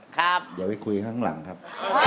อย่าไปคุยข้างหลังครับ